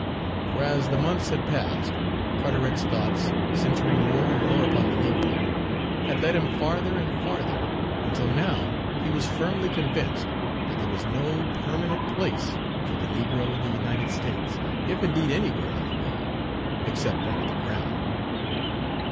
For, as the months had passed, Carteret's thoughts, centring more and more upon the negro, had led him farther and farther, until now he was firmly convinced that there was no permanent place for the negro in the United States, if indeed anywhere in the world, except under the ground.